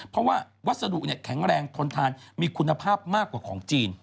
เพราะว่าวัสดุแข็งแรงทนทานมีคุณภาพมากกว่าของจีน